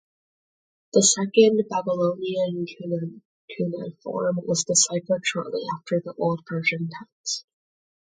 The second, Babylonian cuneiform, was deciphered shortly after the Old Persian text.